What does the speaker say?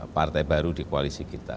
partai baru di koalisi kita